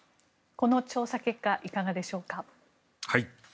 この調査結果いかがでしょうか？